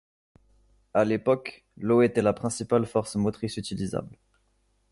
À l'époque, l'eau était la principale force motrice utilisable.